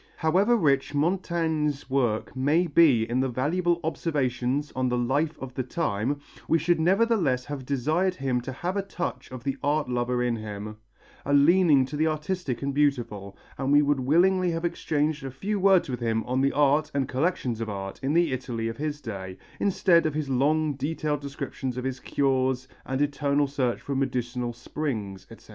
However rich Montaigne's work may be in valuable observations on the life of the time, we should nevertheless have desired him to have a touch of the art lover in him, a leaning to the artistic and beautiful, and we would willingly have exchanged a few words with him on the art and collections of art in the Italy of his day, instead of his long, detailed descriptions of his cures and his eternal search for medicinal springs, etc.